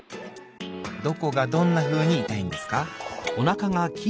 「どこがどんなふうにいたいんですか？」。